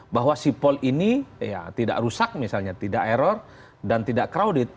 bahwa sipol ini tidak rusak misalnya tidak error dan tidak crowded